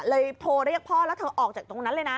โทรเรียกพ่อแล้วเธอออกจากตรงนั้นเลยนะ